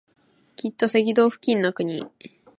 きっと赤道付近の国